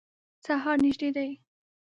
سهار نیژدي دی